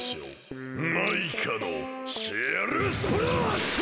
マイカのシェルスプラッシュ！